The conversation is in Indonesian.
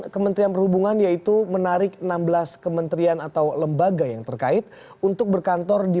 kementerian perhubungan yaitu menarik enam belas kementerian atau lembaga yang terkait untuk berkantor di